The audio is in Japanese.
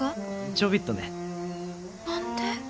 ちょびっとね。何で？